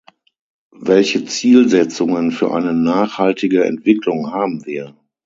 Welche Zielsetzungen für eine nachhaltige Entwicklung haben wir?